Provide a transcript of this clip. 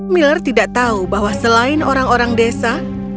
miller tidak tahu bahwa selain orang orang desa